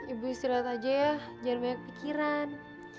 ibu istirahat aja ya biar banyak pikiran